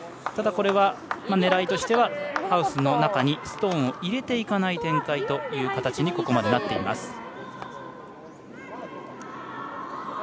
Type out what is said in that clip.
ただ、これは狙いとしてはハウスの中にストーンを入れていかない展開という形にここまでなっています。